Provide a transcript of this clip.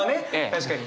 確かに。